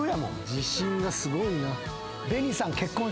自信がすごいな。